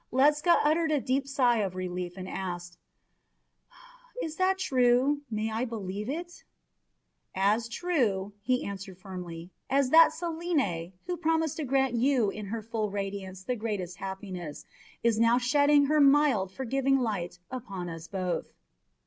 Ledscha uttered a deep sigh of relief, and asked: "Is that true? May I believe it?" "As true," he answered warmly, "as that Selene, who promised to grant you in her full radiance the greatest happiness, is now shedding her mild, forgiving light upon us both."